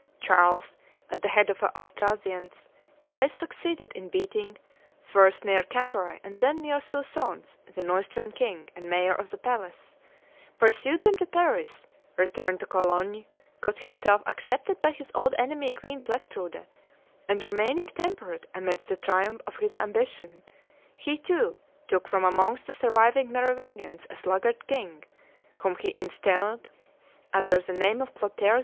Charles, at the head of the Austrasians, twice succeeded in beating, first near Cambrai and then near Soissons, the Neustrian king and mayor of the palace, pursued them to Paris, returned to Cologne, got himself accepted by his old enemy Queen Plectrude, and remaining temperate amidst the triumph of his ambition, he, too, took from amongst the surviving Merovingians a sluggard king, whom he installed under the name of Clotaire IV.